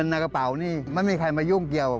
ในกระเป๋านี่ไม่มีใครมายุ่งเกี่ยว